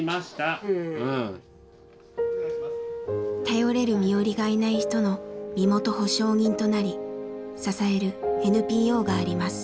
頼れる身寄りがいない人の身元保証人となり支えるＮＰＯがあります。